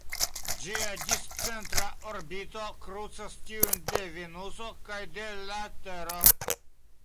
Ĝia discentra orbito krucas tiujn de Venuso kaj de la Tero.